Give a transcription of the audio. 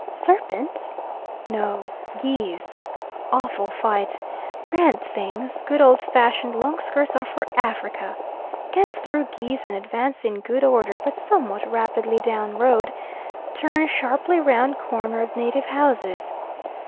Serpents! No, geese. Awful fight. Grand things, good, old fashioned, long skirts are for Africa! Get through geese and advance in good order, but somewhat rapidly down road, turn sharply round corner of native houses.